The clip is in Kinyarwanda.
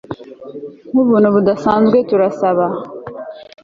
Nkubuntu budasanzwe turasaba